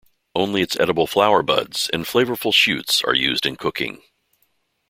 Only its edible flower buds and flavorful shoots are used in cooking.